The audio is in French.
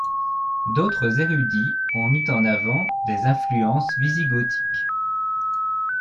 D'autres érudits ont mis en avant des influences wisigothiques.